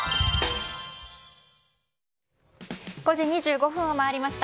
５時２５分を回りました。